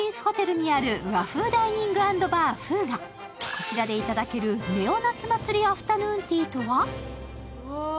こちらでいただけるネオ・夏祭りアフタヌーンティーとは？